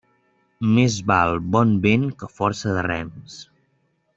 Més val bon vent que força de rems.